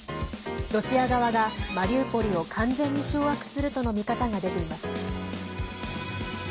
ロシア側が、マリウポリを完全に掌握するとの見方が出ています。